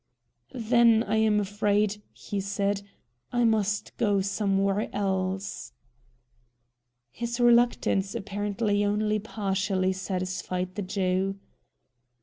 "Then I am afraid," he said, "I must go somewhere else." His reluctance apparently only partially satisfied the Jew.